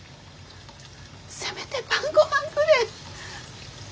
せめて晩ごはんくれえ。